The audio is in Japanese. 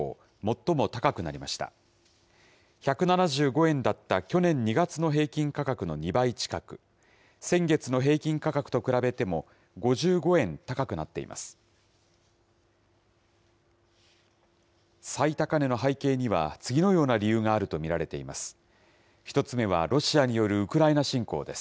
最高値の背景には次のような理由があると見られています。